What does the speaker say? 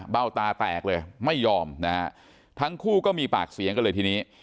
ตาแตกเลยไม่ยอมนะฮะทั้งคู่ก็มีปากเสียงกันเลยทีนี้